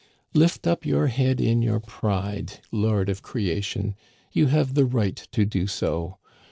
" Lift up your head in your pride, lord of creation ! You have the right to do so.